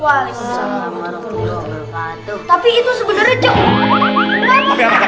waalaikumsalam warahmatullahi wabarakatuh